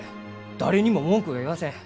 誰にも文句は言わせん。